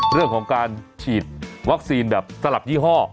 เรื่องของการฉีดวัคซีนแบบสลับยี่ห้อ